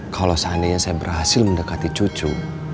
kalau seandainya saya berhasil mendekati cucu